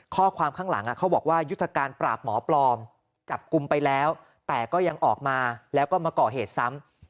ข้างหลังเขาบอกว่ายุทธการปราบหมอปลอมจับกลุ่มไปแล้วแต่ก็ยังออกมาแล้วก็มาก่อเหตุซ้ำ